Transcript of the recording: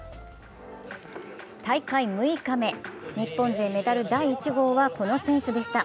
大会６日目、日本勢メダル第１号はこの選手でした。